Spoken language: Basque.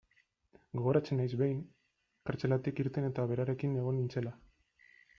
Gogoratzen naiz, behin, kartzelatik irten eta berarekin egon nintzela.